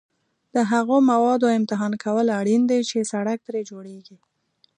د هغو موادو امتحان کول اړین دي چې سړک ترې جوړیږي